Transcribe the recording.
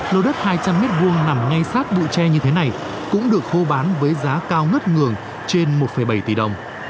lô đất hai trăm linh m hai nằm ngay sát bụi tre như thế này cũng được hô bán với giá cao ngất ngường trên một bảy tỷ đồng